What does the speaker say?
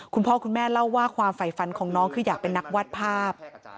คุณพ่อคุณแม่เล่าว่าความฝ่ายฝันของน้องคืออยากเป็นนักวาดภาพ